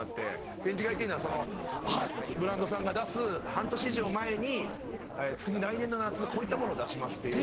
展示会っていうのはそのブランドさんが出す半年以上前に次来年の夏こういったもの出しますっていう。